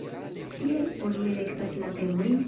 Kiel oni elektas la temojn?